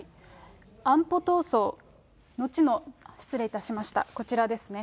安保闘争、後の、失礼いたしました、こちらですね。